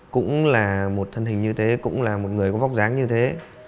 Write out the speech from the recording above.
cũng là một thân hình như thế cũng là một người có vóc dáng như thế